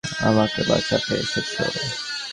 আমাকে বাঁচাতে এসেছ?